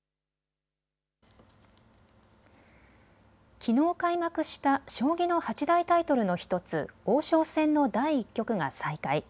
きのう開幕した将棋の八大タイトルの１つ王将戦の第１局が再開。